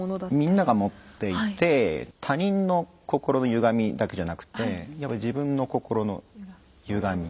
みんなが持っていて他人の心のゆがみだけじゃなくてやっぱ自分の心のゆがみ。